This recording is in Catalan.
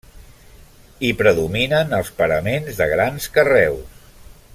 Hi predominen els paraments de grans carreus.